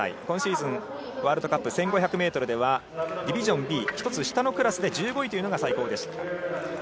今シーズンワールドカップ１５００ｍではディビジョンＢ１つ下のクラスで１５位が最高でした。